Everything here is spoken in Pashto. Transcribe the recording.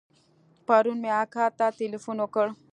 پرون مې اکا ته ټېلفون وکړ.